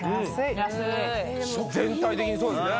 安い全体的にそうですね